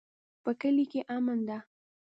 په کلي کې امن ده